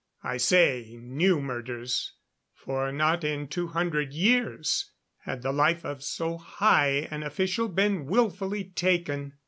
I say new murders, for not in two hundred years had the life of so high an official been wilfully taken.